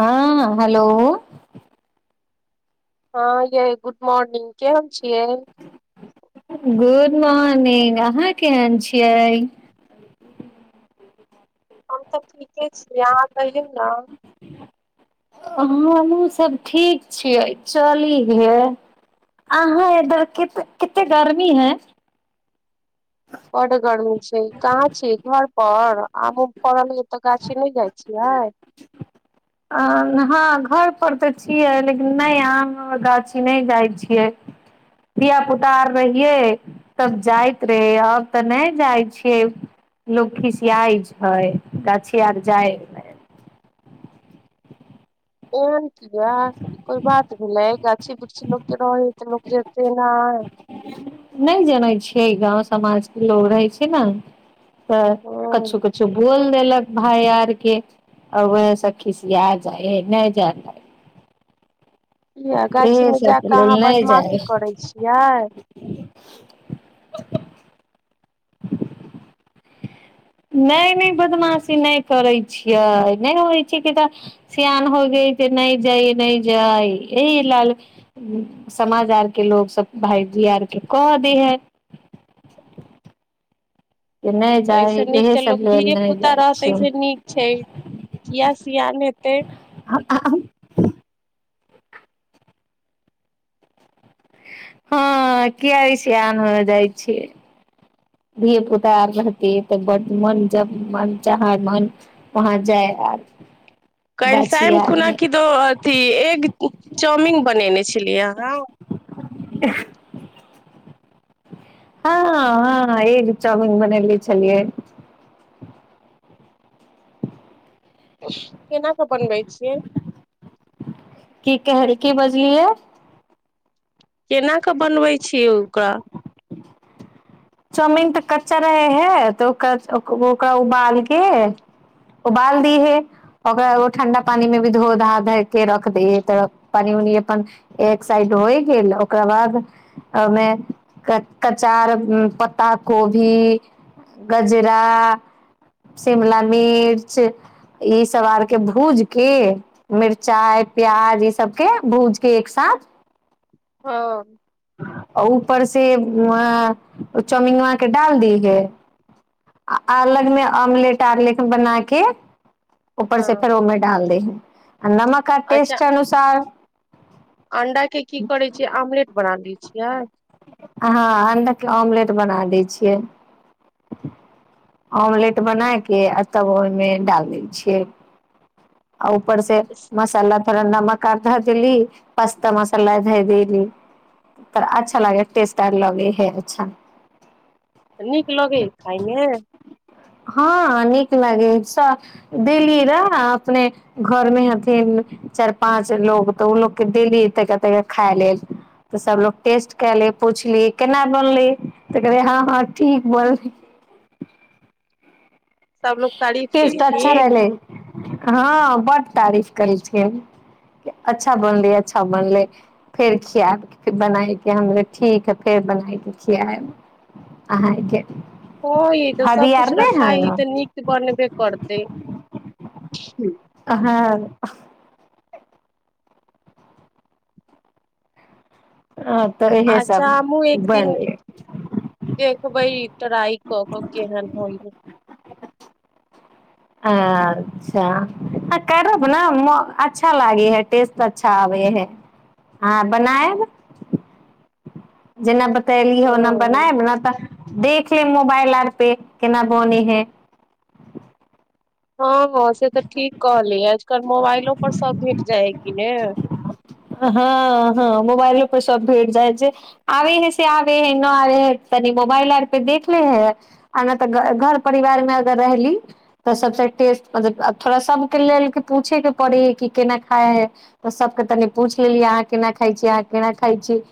हँ हेलो हँ य‌ए गुड मॉर्निंग केहन छियै गुड मॉर्निंग अहाँ केहन छियै हम तऽ ठीके छियै अहाँ कहियौ ने हमहूँ सब ठीक छियै चलि हियै अहाँ इधर कत कतेक गर्मी हय बड गर्मी छै कहां छि घरपर आम फरल यत गाछी नहि जाइ छियै हँ घर पर तऽ छियै लेकिन नहि आम गाछी नहि जाइत छियै धियापुता आर रहियै तब जाइत रहे आब तऽ नहि जाइ छियै लोक खिसियाइ छै गाछी आर जाय ए जा कोई बात भेलै गाछी बिृछी लोक त रहै तऽ लोक जेतै न नहि जनै छियै गाँव समाजके लोग रहै छै ने तऽ ह कछु कछु बोल लक भाय यारके आ वस खिस आ जाइ नहि जाइ य गाछीमे जा कऽ अहाँ जाइ बदमाशी करैत छियै नहि नहि बदमाशी नहि करै छियै नहि होइ छियै कि तऽ सिआन हो गेलै जे नहि जाय नहि जाय एहि लेल समाज आरके लोकसभ भायजी आरके कहऽ दै हइ तऽ ऐसे नीक तऽ सब लोक लेल धिये नहि पुता जाइ रहतै छियै से नीक छै किया सियान हेतै आ हँ किया सिआन हो जाइ छियै धियपुता आर रहतै तऽ बड् मन जब मन जहाँ मन वहाँ जाय आर गाछी कैलसामे आर खुना मे क दो अथी एक चाउमिन बनेने छलियै अहाँ [unintelligible] हँ हँ एग चाउमीन बनले छलियै केना कऽ बनबै छियै की कहल की बजलीयै केना कऽ बनबै छी ओकरा चौमिन तऽ कच्चा रहे हय तऽ ओ ओकरा उबालके उबाल दी हे ओकरा ठण्डा पानी मे भी धो धा ध के रख दै तऽ पानि उनि अपन एक साइड होइ गेल ओकरा बाद ओहिमे कचा पत्ता कोबी गजरा शिमला मिर्च ईसभ आरके भूज के मिरचाइ प्याज ईसभके भूज के एक साथ ‌ओ ऊपर से अ ओ चौउमिंगबा के डाल दीहे आ अलगमे ऑमलेट आरलेट बनाके ऊपर से हँ फेर ओमे डाल देे हैं नमक टेस्ट अनुसार अंडाके की करै छियै आमलेट बना लै छियै आहाँ अण्डा के ऑमलेट बना दै छियै आमलेट बना के आ तब ओय मे डाल दै छियै आ उपर से मसाला थोरा नमक आधा देली पस्ता मसाला दी त अच्छा लागै ेस्ट आ लगै है अच्छा नीक लगे खाायमे हँ नीक लागै सभ देली रहए अपने घरमे हथिन चारि पाँच लोग तऽ ओ लोकके देली तेक कतेकके खाय लेल तऽ सभलो टेस्ट कए ले पुछली केना बनली त कह हँ हँ ठीक बोल सबलोग तारीफ अच्छा केलखिन रहल हँ बड तारीफ कलथिन अच्छा बनले अच्छा बनले फेर खायब बनाय के हमले ठीक है फेर बनाय के खआब अहाँके ह ह त भाभी आर सबकुछ नहि रखा है ह तऽ ने नीक निक बनबै करतै खैब हँ तऽ इहे सब अच्छा हमहहुँ एक दिन बनि गेल देखबै ट्राइ कऽ कऽ केहन होइय अच्छा करब ने अच्छा लागे ह टेस्ट अच्छा आबे है आ बनायब जेना तैली होना बनाय हँ ब न तऽ देख ले मोबाइल आर पे केना बोने है हँ हँ से तऽ ठीक कहलियै आजकल मोबाइल पर सब भेट जाएगी [unintelligible] हँ हँ मोबाइलोपे सभ भेट जाइ ह जे आबे है से आबे हइ न आबे हइ तनी मोबाइल आर पे देख ले है आ नहि तऽ घर परिवार मे अगर रहली तऽ सभसँ टेस्ट मतलब थोड़ा सभके लेल पूछयके पड़े हइ कि केना खाइ है त सभके तनि पूछ लेलियै अहाँ केना खाइ छी अहाँ केना खाइ छी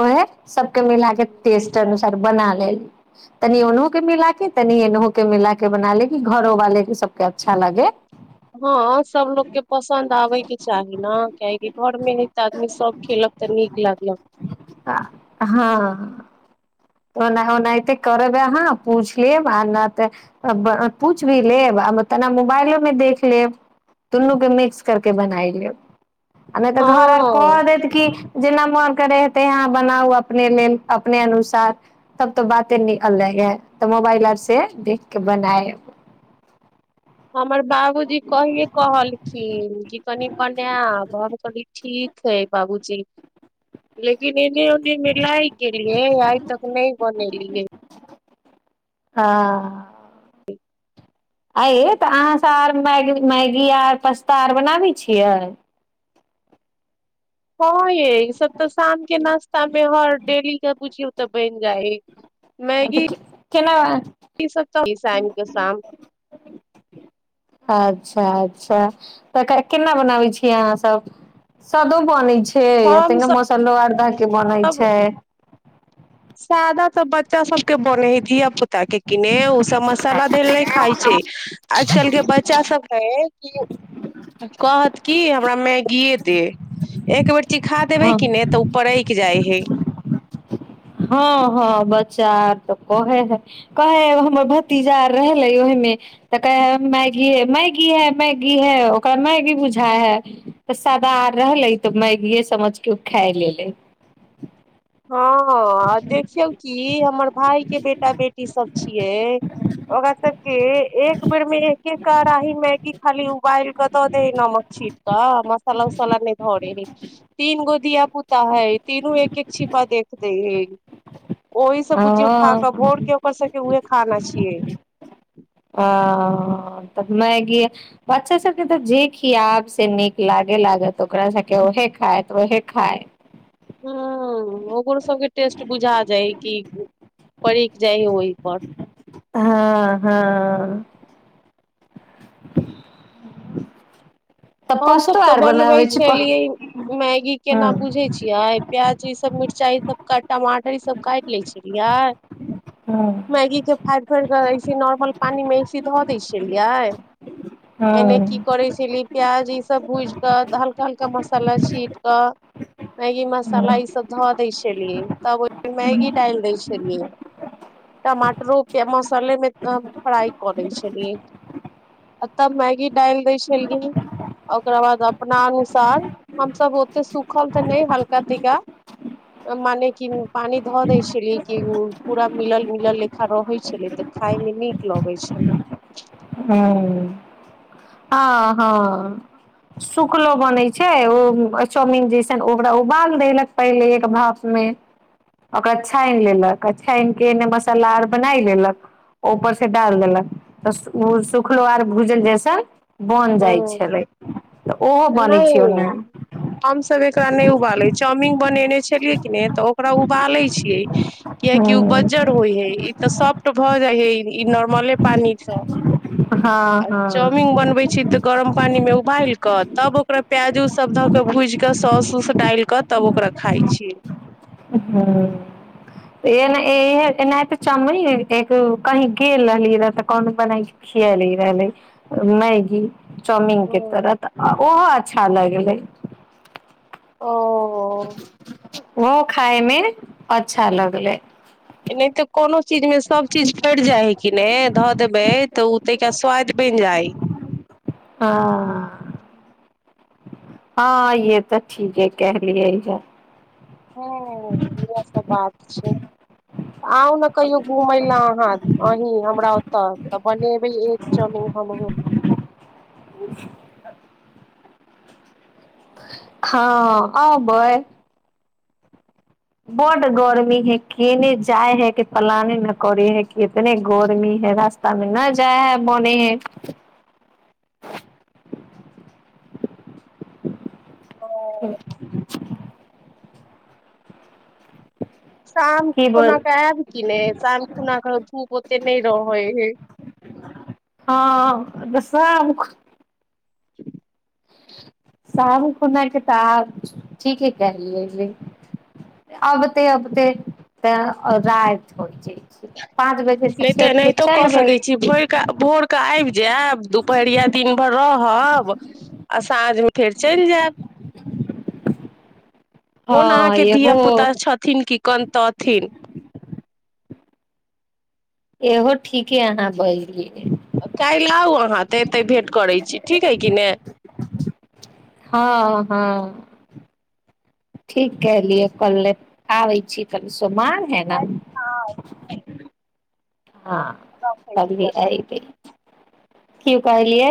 ओहे सबके मिलाके ने टेस्ट बना लेी तनि ओनहु के मिला के तनि एनहु के मिला के बना लेी घरोवाले के सबके अच्छा लगे हँ सबलोगके पसन्द आबेके चाही ने कियकि घर त आदमी सब खेलक तऽ नीक लागलक तऽ ओना ओनाहिते करब अहाँ पूछि लेब आ नहि तऽ पूछि भी लेब आ तेना मोबाइलोमे देख लेब दुनूकेँ मिक्स करि कऽ बनाय लेब आमे तऽ घर आर क हँ दैत कि जेना मोन करे हेते हहाँ बनाउ अपने लेल अपने अनुसार तब तो बाते निकललै है तऽ मोबाइल आर से देख के बनाए हमर बाबूजी कहिये कहलखिन क कनि बनाब हम कहली ठीक छै बाबूजी लेकिन इन्ने उन्ने मे लागि गेलिए ह आइ तक नहि बने लिय हँ [inaudible] अइय तऽ अहाँसँ आर मैगी मैगी आर पास्ता आर बनाबै छियै हँ ये ई सब तऽ शाम के नाास्ता मे हर डेली के बुझियौ तऽ बनि जाइ मैगी तऽ केना ई सब तं ईशाम कें शाम अच्छा अच्छा तऽ केना बनाबे छीियै अहाँ सब सदो बनै छै से हम एतेकंग मोसम दुआर घाट के बनै सब छै सादा तऽ बच्चा सब के बने है धिया पुता के क ओ सब मसाला देल नहि खाइ छै आजकल के बच्चा सब है कहत की हमरा मैगीए दे एक बेर चिखा देबे हँ किी नहि तऽ उ परैक जाइ छै [unintelligible] हँ हँ बच्चा आर तऽ कहै है कहै ह हमर भतीजा आर रहलै ओहिमे तऽ कहै है मैगी मैगी है मैगी है ओकरा मैगी बुझा है तऽ सादा आर रहलै तऽ मैगीए समझ क ओ खााय लेलै हँ आ देखिऔ कि हमर भाय के बेटा बेटी सब छिये ओकरा सब के एक बेर में एके कड़ााही मैगी खाली उबाल क द नमक छी बाह बा सलम सला नहि धरैय तीन गो धिया पुता है तीनू एके छिपा देखते है ओहि सब बुझियौ खााकऽ ओ भोर के ओकर सबके उहे खाना छियै ह तऽ मैगी बच्चा सभके तऽ जे खियाब से नीक लागे लागत ओकरा सभके उहे खायत ओहे खाय ह ओकरो सबके टेस्ट बुझा जाय है कि परैक जाय है ओ प हँ हँ तऽ हमस पस्तो तऽ आर बनबै बनाबै छी प छलियै मैगी केना हँ बुझै छियै प्याज ई सब मिरचाई सब टमाटर ई सब काटि लै छलियै हँ मैगी के फाड़ि फाड़ कऽ ऐसे नॉर्मल पानी मे ऐसे धऽ दै छलियै एने की हँ करै छली प्याज ई सब भूज के हल्का हल्का मसाला छींट के मैगी मसाला ईसभब धअ दैछलिए तब फेन मैगी डाल दै छललियै टमाटरो पे मसाले मे फ्राइ क लैइ छलियै आ तब मैगी डालि दै छलियै ओकरा बाद अपना अनुसार हमसभ ओते सूखल तऽ नइ हल्का तैका मने कि पानि धऽ दै छलियै कि पूरा मिलल मिलल घलल लेखा रहै छलै तऽ खाायमे नीक लगै छलै हू हँ हँ सुखलो बनैत छै ओ चाउमीन जैसन ओकरा उबाल देलक पहिले एक भापमे ओकरा छानि लेलक आ छानि के एने मसाला आर बनाय लेलक ऊपर से डाल देलक तऽ सू ओ सुखलो आर भूजन जैसन बन ह जाइ छलै तऽ ओहो बनै नइ छै ओना हमसभ एकरा नइ उबाले चाउमिन बनेने छलियै की ने तऽ ओकरा उबाले छियै कियकि ओ बजजर होय हय ई तऽ सॉफ्ट भ जाइ हई ई नॉर्मले पानी सँ हँ आ हँ चाउमिन बनै छी गरम पानी मे उबाल के तब ओकरा प्याज उज सब ध कऽ भुइज क सौस उस डाइल कऽ तब ओकरा खाइ छियै हू एना इहे एना तऽ चाउमिन रहै एगो कही गेल रहलिय रह त कोनो बना खिचैले रहले मैगी चाउमिन के तरह त ओहो अच्छा लगलै ओ [unintelligible] उहो खााय मे अच्छा लगलै एहिनाइते कोनो चीज मे सभ चीज पड़ि जाय हइ कि नै धऽ देबै तऽ ओ तैका स्वाद बनि जाय हँ हँ यै तऽ ठीके कहलियै य ह ईहे सब बात अच्छह आउ ने कहियो घुमै लए अहाँ अही हमरा ओतअ तऽ बनेबै एक चाउमिन हमहुँ हँ आबै बड गोरमी हइ कने जाय हइ कि पलाान न करे है कि कतने गोरमी है रास्ता मे न जाय हइ बोने हइ [unintelligible] शाम की खुना बोल कऽ आयब कि नइ शाम खुना कऽ धूप ओते नहि रहै हइ शाम खुना शाहु खुना के तऽ आब ठीके कहलिये ये अबते अबते तऽ राइत होइ जे नहि तऽ एनाहितो कऽ चलबै सकैत छी भइर क भोर कऽ आबि जाब दुपहरिया दिन भर रह हब आ साँझ मे फेर चलि जायब [unintelligible] कोन हँ अहाँके एहो धिय पुता छथिन कि कनतथिन इहो ठीके अहाँ बजलिय काल्हि आउ अहाँ तऽ एतहि भेँट करैत छी ठीक हइ कि नहि हँ हँ ठीक कलियै कले आबै छी क समान है न काल्हि हँ रखै हँ ती छी अ की कहलियै